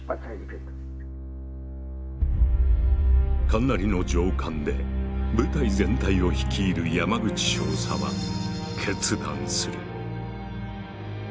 神成の上官で部隊全体を率いる山口少佐は決断する。